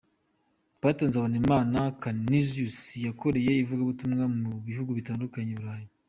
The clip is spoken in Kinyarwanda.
Past Nzabonimpa Canisius yakoreye ivugabutumwa mu bihugu bitandukanye i Burayi.